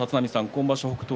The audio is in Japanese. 今場所北勝